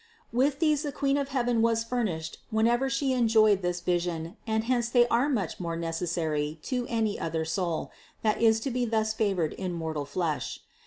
With these the Queen of heaven was furnished whenever She enjoyed this vision and hence they are much more necessary to any other soul, that is to be thus favored in mortal flesh.